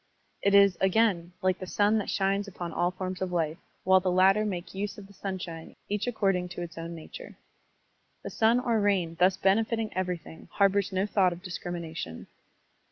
It is, again, like the sun that shines upon all forms of life, while the latter make use of the sunshine each according to its own nature. The sun or rain thus benefiting everything harbors no thought of discrimination.